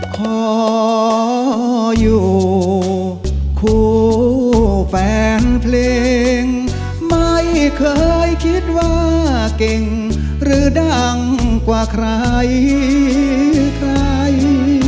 ขออยู่คู่แฟนเพลงไม่เคยคิดว่าเก่งหรือดังกว่าใครใคร